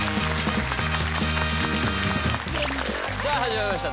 さあ始まりました